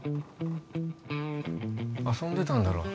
遊んでたんだろ